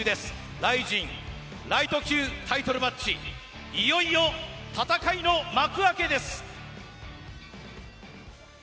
ＲＩＺＩＮライト級タイトルマッチいよいよ戦いの幕開けです。